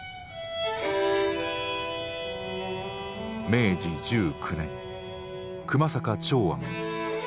明治１９年熊坂長庵獄死。